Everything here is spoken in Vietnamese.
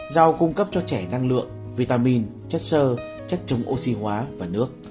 dao cung cấp cho trẻ năng lượng vitamin chất sơ chất chống oxy hóa và nước